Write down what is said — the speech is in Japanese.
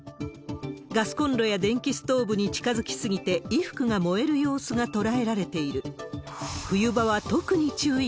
ガスコンロや電気ストーブに近づき過ぎて、衣服が燃える様子が捉えられている。